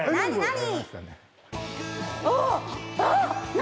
何？